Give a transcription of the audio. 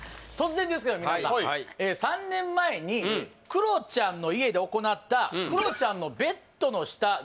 突然ですが皆さん３年前にクロちゃんの家で行ったクロちゃんのベッドの下